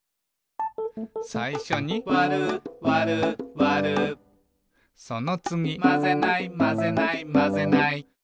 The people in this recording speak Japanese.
さいしょに「わるわるわる」そのつぎ「まぜないまぜないまぜない」